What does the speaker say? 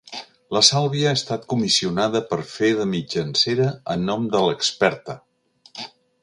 La Sàlvia ha estat comissionada per fer de mitjancera en nom de l'experta.